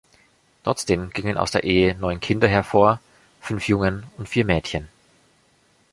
Trotzdem gingen aus der Ehe neun Kinder hervor, fünf Jungen und vier Mädchen.